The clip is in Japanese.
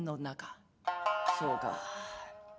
「そうか。